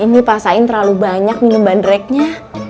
ini pasain terlalu banyak minuman dreknya